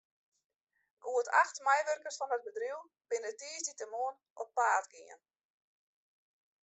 Goed acht meiwurkers fan it bedriuw binne tiisdeitemoarn op paad gien.